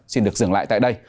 xin được dừng lại tại đây